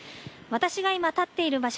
私が今、立っている場所